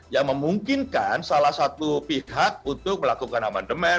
yang memungkinkan salah satu pihak untuk melakukan aman demand